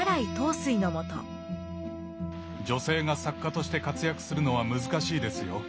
女性が作家として活躍するのは難しいですよ。